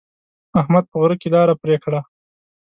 احمد په غره کې لاره پرې کړه.